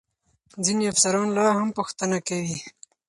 ځینې افسران لا هم پوښتنه کوي.